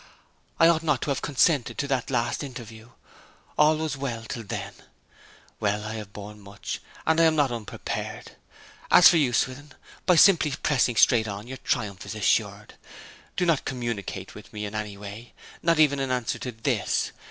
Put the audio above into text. I ought not to have consented to that last interview: all was well till then! ... Well, I have borne much, and am not unprepared. As for you, Swithin, by simply pressing straight on your triumph is assured. Do not communicate with me in any way not even in answer to this.